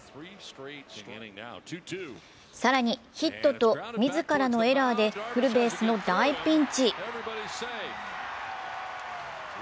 更にヒットと自らのエラーでフルベースの大ピンチ。